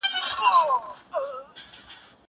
زه پرون ځواب ليکم!